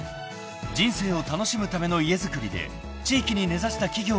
［人生を楽しむための家づくりで地域に根差した企業を目指す］